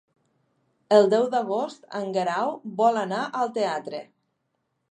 El deu d'agost en Guerau vol anar al teatre.